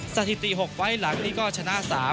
สถิติหกไว้หลังนี้ก็ชนะ๓๓